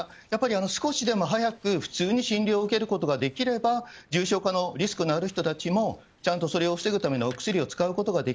やっぱり少しでも早く普通に診療を受けることができれば重症化のリスクのある人たちもちゃんとそれを防ぐためのお薬を使える。